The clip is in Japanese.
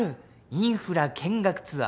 インフラ見学ツアー。